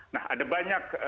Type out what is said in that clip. nah ada banyak